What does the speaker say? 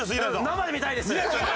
生で見たいです！